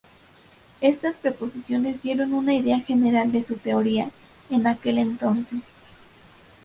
Estas proposiciones dieron una idea general de su teoría en aquel entonces.